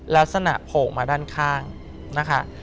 ลักษณะโผล่มาด้านข้างนะคะ